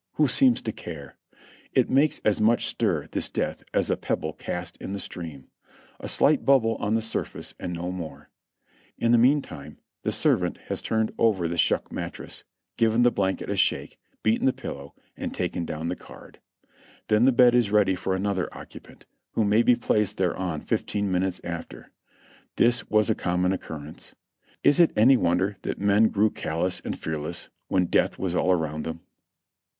Who seems to care? It makes as much stir, this death, as a pebble cast in the stream ; a slight bubble on the surface and no more; in the meantime the servant has turned over the shuck mattress, given the blanket a shake, beaten the pillow, and taken down the card ; then the bed is ready for another occupant, who may be placed thereon fifteen minutes after. This was a com mon occurrence. Is it any wonder that men grew callous and fearless, when death was all around them?